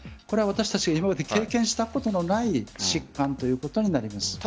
これは私たちが今まで経験したことのない疾患ということになります。